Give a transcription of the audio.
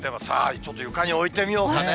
ちょっと床に置いてみようかね。